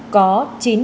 có chất ma túy